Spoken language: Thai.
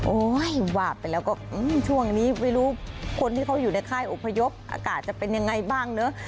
วาบไปแล้วก็ช่วงนี้ไม่รู้คนที่เขาอยู่ในค่ายอพยพอากาศจะเป็นยังไงบ้างเนอะ